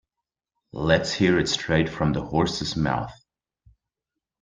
Let's hear it straight from the horse's mouth.